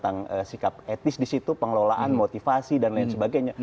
tentang sikap etis di situ pengelolaan motivasi dan lain sebagainya